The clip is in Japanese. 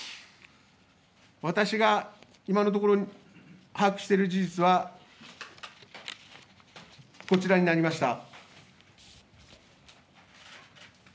私が今のところ把握している事実はこちらになりました。